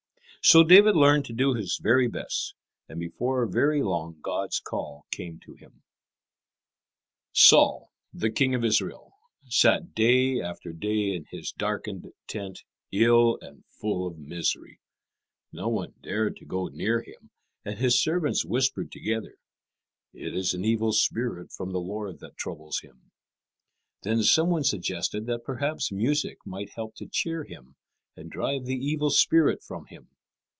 So David learned to do his very best, and before very long God's call came to him. [Illustration: Saul sat day after day in his darkened tent.] Saul, the King of Israel, sat day after day in his darkened tent ill and full of misery. No one dared to go near him, and his servants whispered together, "It is an evil spirit from the Lord that troubles him." Then some one suggested that perhaps music might help to cheer him and drive the evil spirit from him.